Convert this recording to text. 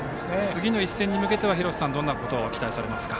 次の一戦に向けては廣瀬さん、どんなことを期待されますか？